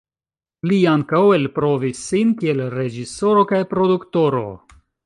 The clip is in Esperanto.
Li ankaŭ elprovis sin kiel reĝisoro kaj produktoro.